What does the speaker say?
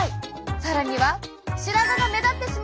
更には白髪が目立ってしまう！